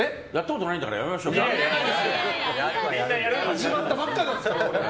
始まったばっかなんですから。